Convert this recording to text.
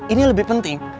ini yang lebih penting